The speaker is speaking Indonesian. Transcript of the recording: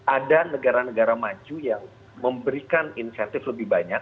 ada negara negara maju yang memberikan insentif lebih banyak